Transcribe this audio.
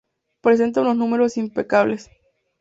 Presenta unos números impecables.